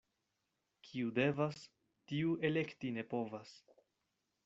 Kiu devas, tiu elekti ne povas.